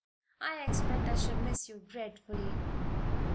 "I expect I shall miss you dreadfully."